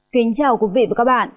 kính chào quý vị và các bạn